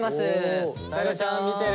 さえらちゃん見てる？